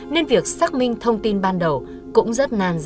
nên việc xác minh thông tin ban đầu cũng rất nan dạ